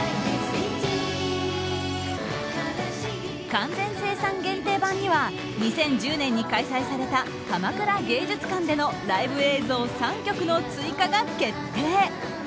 完全生産限定盤には２０１０年に開催された鎌倉芸術館でのライブ映像３曲の追加が決定。